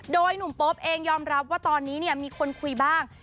โดยหนุ่มโป๊ปเองยอมรับว่าตอนนี้เนี่ยมีคนคุยบ้าง